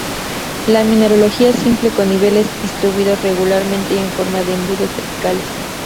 La mineralogía es simple con niveles distribuidos regularmente y en forma de embudos verticales.